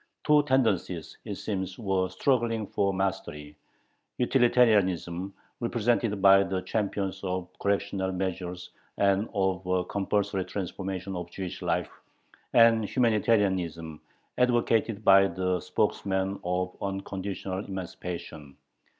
Two tendencies, it seems, were struggling for mastery: utilitarianism, represented by the champions of "correctional measures" and of a compulsory "transformation of Jewish life," and humanitarianism, advocated by the spokesmen of unconditional emancipation.